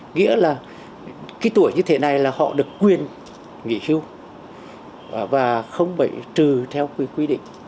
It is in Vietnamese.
nghĩa là cái tuổi như thế này là họ được quyền nghỉ hưu và không phải trừ theo cái quy định